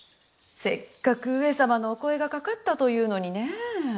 せっかく上様のお声がかかったというのにねえ。